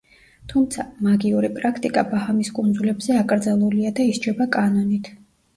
თუმცა, მაგიური პრაქტიკა ბაჰამის კუნძულებზე აკრძალულია და ისჯება კანონით.